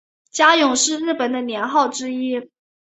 嘉永是日本的年号之一。